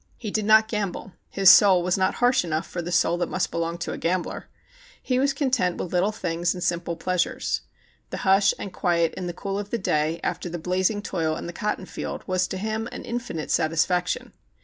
He did not gamble. His soul was not harsh enough for the soul that must belong to a gambler. He was content with Httle things and simple pleas ures. The hush and quiet in the cool of the day after the blazing toil in the cotton field was to him an infinite satisfaction.